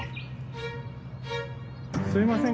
すいません。